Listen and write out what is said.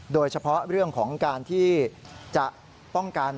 โดยเฉพาะเรื่องของการที่จะป้องกัน